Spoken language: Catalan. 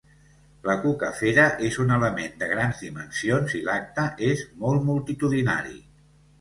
La Cucafera és un element de grans dimensions i l'acte és molt multitudinari.